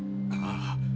ああ。